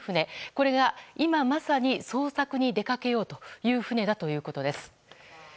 これが今まさに捜索に出かけようという船だということです。